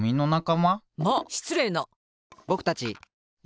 まあしつれいな！